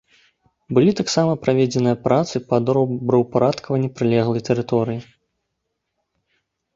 Былі таксама праведзеныя працы па добраўпарадкаванні прылеглай тэрыторыі.